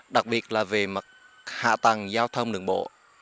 đặc biệt là về mặt hạ tầng giao thông đường bộ